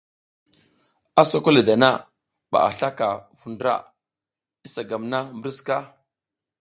A soko le dan aba a slaka ndra vu, isa gam na mbri sika?